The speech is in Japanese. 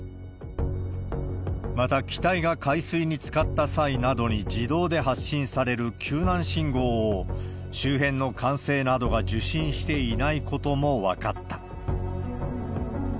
また、機体が海水につかった際などに自動で発信される救難信号を、周辺の管制などが受信していないことも分かった。